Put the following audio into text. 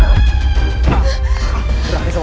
pasti aku lagi bencang